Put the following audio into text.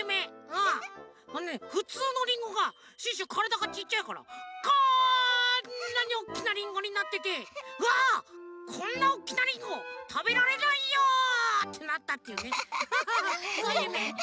あのねふつうのリンゴがシュッシュからだがちっちゃいからこんなにおっきなリンゴになってて「うわっこんなおっきなリンゴたべられないよ！」ってなったっていうねそういうゆめ。